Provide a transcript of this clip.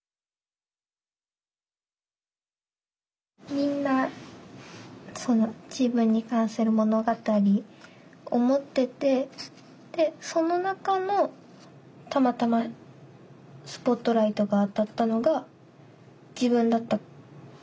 みんな自分に関する物語を持っててその中のたまたまスポットライトが当たったのが自分だった。